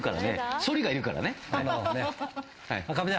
そりがいるからね。